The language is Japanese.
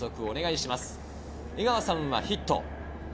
江川さんはヒット。